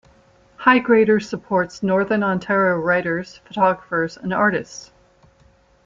"HighGrader" supports northern Ontario writers, photographers and artists.